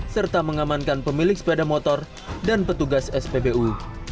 serta mengamankan pemilik sepeda motor dan petugas spbu